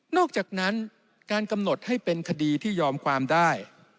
อกจากนั้นการกำหนดให้เป็นคดีที่ยอมความได้